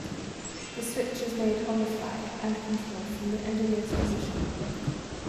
The switch is made "on the fly", and controlled from the engineer's position.